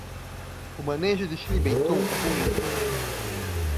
O manejo de Shihlin Beitou é ruim